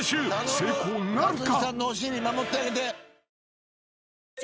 成功なるか？］